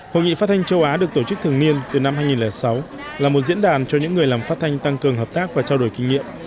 hội nghị phát thanh châu á được tổ chức thường niên từ năm hai nghìn sáu là một diễn đàn cho những người làm phát thanh tăng cường hợp tác và trao đổi kinh nghiệm